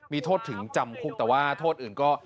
มีโทษถึงจำคุกแต่ว่าโทษอื่นก็